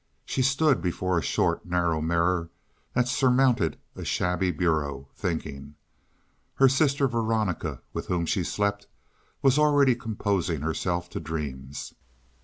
She stood before a short, narrow mirror that surmounted a shabby bureau, thinking. Her sister Veronica, with whom she slept, was already composing herself to dreams.